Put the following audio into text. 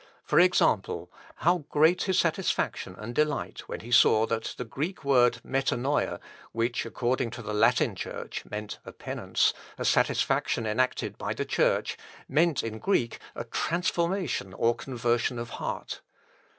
For example, how great his satisfaction and delight when he saw that the Greek word, μετανοια, which according to the Latin church, meant a penance, a satisfaction enacted by the Church, meant in Greek a transformation or conversion of heart.